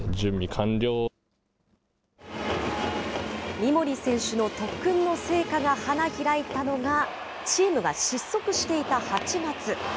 三森選手の特訓の成果が花開いたのが、チームが失速していた８月。